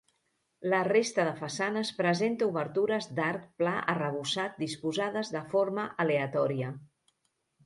La resta de façanes presenta obertures d'arc pla arrebossat disposades de forma aleatòria.